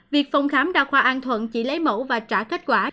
việc phòng khám đa khoa an thuận chỉ lấy mẫu và trả kết quả